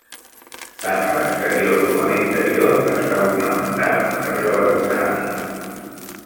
Tant a l'exterior com a l'interior està ornamentat amb rajoles de ceràmica.